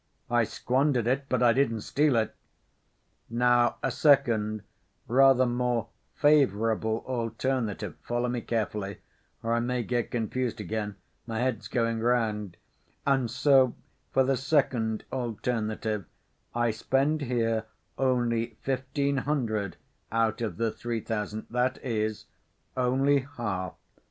I squandered it, but I didn't steal it. Now a second, rather more favorable alternative: follow me carefully, or I may get confused again—my head's going round—and so, for the second alternative: I spend here only fifteen hundred out of the three thousand, that is, only half.